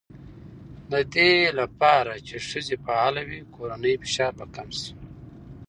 د دې لپاره چې ښځې فعاله وي، کورنی فشار به کم شي.